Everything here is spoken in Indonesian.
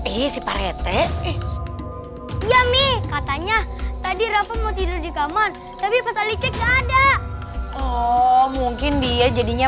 isi parete iya mi katanya tadi rafa mau tidur di kamar tapi pasal dicek ada oh mungkin dia jadinya